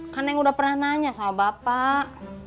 kan yang udah pernah nanya sama bapak